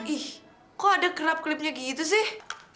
ih kok ada kerap klipnya gitu sih